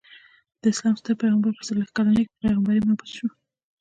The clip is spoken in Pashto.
د اسلام ستر پيغمبر په څلويښت کلني کي په پيغمبری مبعوث سو.